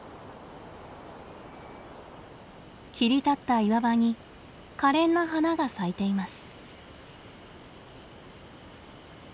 切り立った岩場にかれんな花が咲いています。